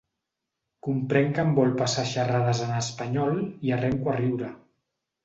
Comprenc que em vol passar xarades en espanyol i arrenco a riure.